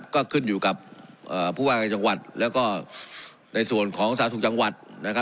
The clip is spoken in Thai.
ก็ขึ้นอยู่กับผู้ว่าการจังหวัดแล้วก็ในส่วนของสาธารณสุขจังหวัดนะครับ